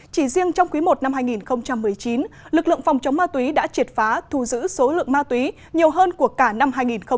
chỉ riêng trong quý i năm hai nghìn một mươi chín lực lượng phòng chống ma túy đã triệt phá thu giữ số lượng ma túy nhiều hơn của cả năm hai nghìn một mươi tám